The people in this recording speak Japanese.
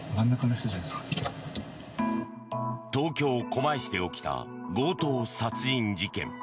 東京・狛江市で起きた強盗殺人事件。